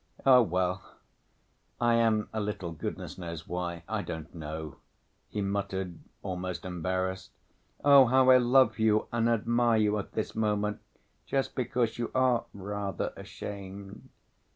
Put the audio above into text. "Oh, well, I am a little, goodness knows why, I don't know..." he muttered, almost embarrassed. "Oh, how I love you and admire you at this moment just because you are rather ashamed!